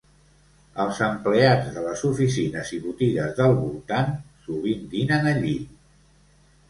Els empleats de les oficines i botigues del voltant sovint dinen allí.